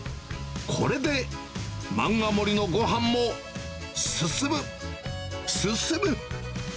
これでマンガ盛りのごはんも進む、進む。